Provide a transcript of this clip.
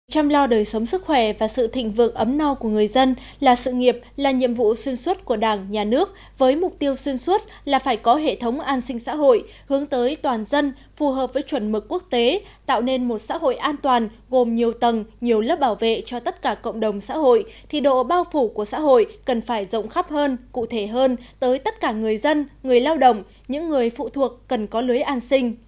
chăm lo đời sống sức khỏe và sự thịnh vượng ấm no của người dân là sự nghiệp là nhiệm vụ xuyên suốt của đảng nhà nước với mục tiêu xuyên suốt là phải có hệ thống an sinh xã hội hướng tới toàn dân phù hợp với chuẩn mực quốc tế tạo nên một xã hội an toàn gồm nhiều tầng nhiều lớp bảo vệ cho tất cả cộng đồng xã hội thì độ bao phủ của xã hội cần phải rộng khắp hơn cụ thể hơn tới tất cả người dân người lao động những người phụ thuộc cần có lưới an sinh